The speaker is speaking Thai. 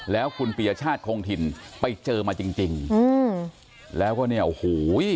แล้วคุณปียชาติคงถิ่นไปเจอมาจริงจริงอืมแล้วก็เนี่ยโอ้โห